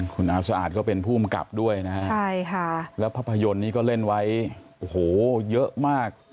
คุณอาสะอาดก็เป็นภูมิกับด้วยนะฮะใช่ค่ะแล้วภาพยนตร์นี้ก็เล่นไว้โอ้โหเยอะมาก